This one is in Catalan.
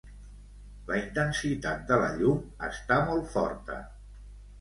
La intensitat de la llum està molt forta.